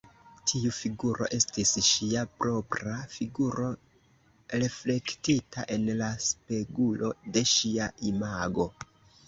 Tiu figuro estis ŝia propra figuro, reflektita en la spegulo de ŝia imago.